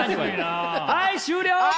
はい終了！